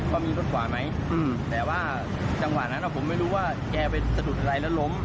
ว่ามีรถขวาไหมแต่ว่าจังหวะนั้นผมไม่รู้ว่าแกไปสะดุดอะไรแล้วล้ม